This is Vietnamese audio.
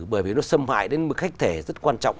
bởi vì nó xâm hại đến một khách thể rất quan trọng